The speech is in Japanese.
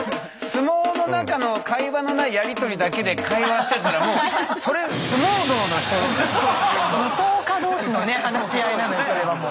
相撲の中の会話のないやり取りだけで会話してたらもう武道家同士のね話し合いなんでそれはもう。